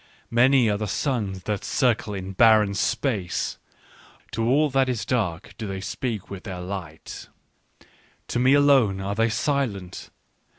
" Many are the suns that circle in barren space ; to all that is dark do they speak with their light — to me alone are they silent.